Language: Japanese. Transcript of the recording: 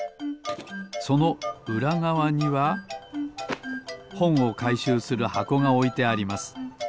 そのうらがわにはほんをかいしゅうするはこがおいてあります。